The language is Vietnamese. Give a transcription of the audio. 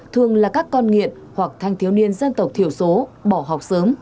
thường là các con nghiện hoặc thanh thiếu niên dân tộc thiểu số bỏ học sớm